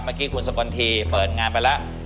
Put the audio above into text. เมื่อกี้คุณสกลทีเปิดงานไปแล้ว